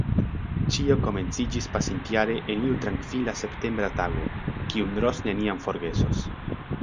Ĉio komenciĝis pasintjare en iu trankvila septembra tago, kiun Ros neniam forgesos.